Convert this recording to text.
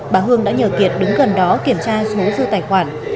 bà hương đã nhờ kiệt đứng gần đó kiểm tra số dư tiền